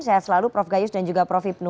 sehat selalu prof gayus dan juga prof hipnu